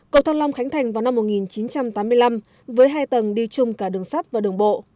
cầu thăng long khánh thành vào năm một nghìn chín trăm tám mươi năm với hai tầng đi chung cả đường sắt và đường bộ